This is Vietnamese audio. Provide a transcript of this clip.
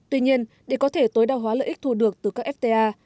tuy nhiên để có thể tối đa hóa lợi ích thu được từ các fta